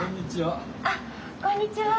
あっこんにちは。